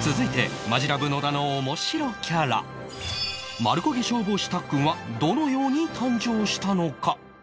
続いてマヂラブ野田の面白キャラ丸焦げ消防士たっくんはどのように誕生したのか？